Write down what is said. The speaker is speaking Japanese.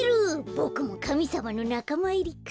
ボクもかみさまのなかまいりか。